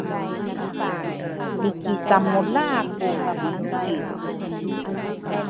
Lri kisamula ku bingikiw